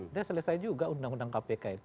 sudah selesai juga undang undang kpk itu